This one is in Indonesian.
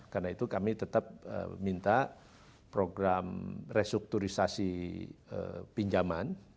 karena itu kami tetap minta program restrukturisasi pinjaman